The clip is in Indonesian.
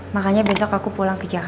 makanya besok aku pulang ke jakarta